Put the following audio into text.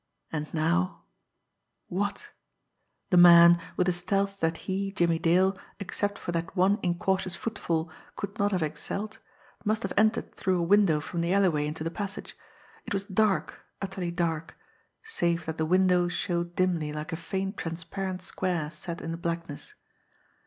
And now what? The man, with a stealth that he, Jimmie Dale, except for that one incautious footfall, could not have excelled, must have entered through a window from the alleyway into the passage. It was dark, utterly dark save that the window showed dimly like a faint transparent square set in the blackness.